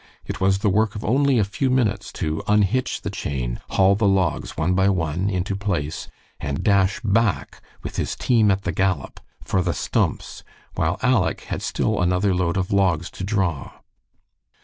It was the work of only a few minutes to unhitch the chain, haul the logs, one by one, into place, and dash back with his team at the gallop for the stumps, while Aleck had still another load of logs to draw.